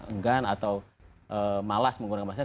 enggan atau malas menggunakan masker